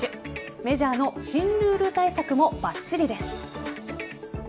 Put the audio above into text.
メジャーの新ルール対策もバッチリです。